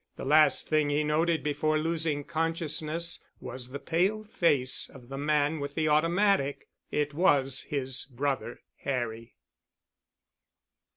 The last thing he noted before losing consciousness was the pale face of the man with the automatic. It was his brother—Harry.